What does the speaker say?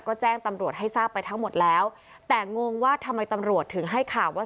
ก็แจ้งตำรวจให้ทราบไปทั้งหมดแล้วแต่งงว่าทำไมตำรวจถึงให้ข่าวว่า